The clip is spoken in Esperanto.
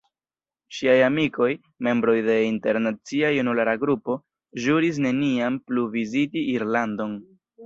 Ŝiaj amikoj – membroj de internacia junulara grupo – ĵuris neniam plu viziti Irlandon.